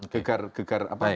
gegar gegar apa ya